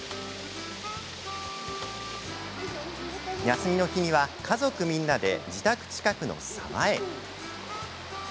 休みの日には家族みんなで自宅近くの沢へ。